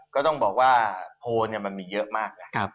ก็ต้องบอกว่าโพลมันมีเยอะมากนะ